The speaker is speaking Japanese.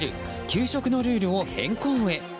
給食のルールを変更へ。